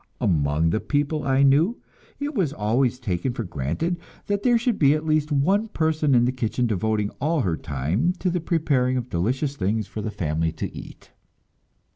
Among the people I knew it was always taken for granted that there should be at least one person in the kitchen devoting all her time to the preparing of delicious things for the family to eat.